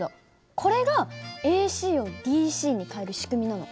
これがＡＣをＤＣに変える仕組みなの？